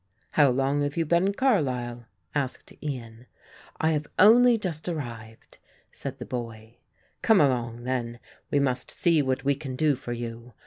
"How long have you been in Carlisle?" asked Ian. "I have only just arrived," said the boy. "Come along then; we must see what we can do for you.